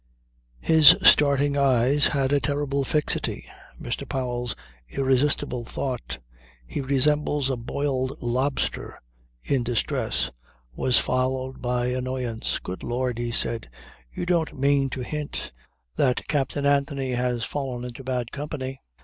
His starting eyes had a terrible fixity. Mr. Powell's irresistible thought, "he resembles a boiled lobster in distress," was followed by annoyance. "Good Lord," he said, "you don't mean to hint that Captain Anthony has fallen into bad company.